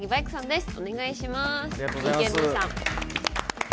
でお願いします。